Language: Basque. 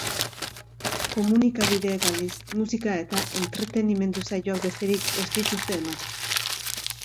Komunikabideek, aldiz, musika eta entretenimendu saioak besterik ez dituzte ematen.